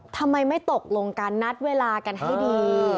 ทำไมไม่ตกลงกันนัดเวลากันให้ดี